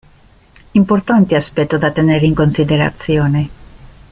Importante aspetto da tenere in considerazione.